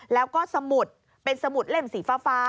แล้วก็สมุดเป็นสมุดเล่มสีฟ้า